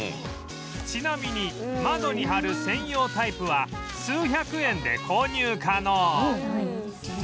ちなみに窓に貼る専用タイプは数百円で購入可能